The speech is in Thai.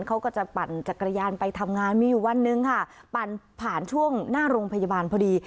เขาก็จะปั่นจักรยานไปทำงานมีอยู่วันหนึ่งค่ะปั่นผ่านช่วงหน้าโรงพยาบาลพอดี